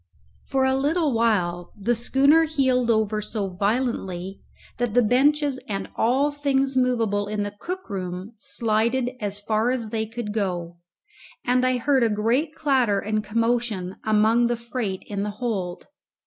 For a little while the schooner heeled over so violently that the benches and all things movable in the cook room slided as far as they could go, and I heard a great clatter and commotion among the freight in the hold.